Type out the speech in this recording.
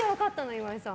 岩井さん。